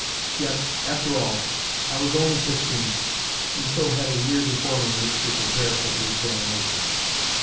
Yet, after all, I was only fifteen, and so had a year before me in which to prepare for the examinations.